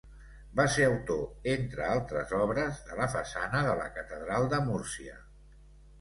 Va ser autor, entre altres obres, de la façana de la catedral de Múrcia.